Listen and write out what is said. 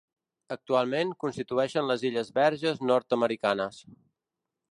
Actualment constitueixen les Illes Verges Nord-americanes.